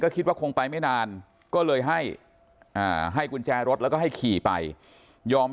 คิดว่าคงไปไม่นานก็เลยให้ให้กุญแจรถแล้วก็ให้ขี่ไปยอม